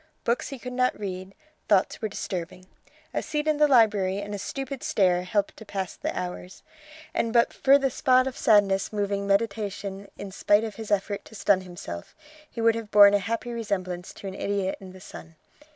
Books he could not read; thoughts were disturbing. A seat in the library and a stupid stare helped to pass the hours, and but for the spot of sadness moving meditation in spite of his effort to stun himself, he would have borne a happy resemblance to an idiot in the sun.